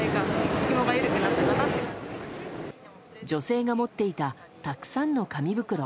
女性が持っていたたくさんの紙袋。